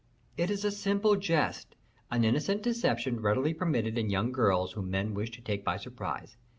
"It is a simple jest; an innocent deception readily permitted in young girls whom men wish to take by surprise.